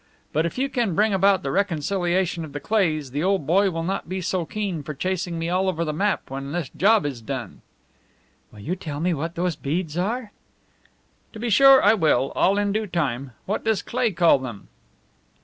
But if you can bring about the reconciliation of the Cleighs the old boy will not be so keen for chasing me all over the map when this job is done." "Will you tell me what those beads are?" "To be sure I will all in due time. What does Cleigh call them?"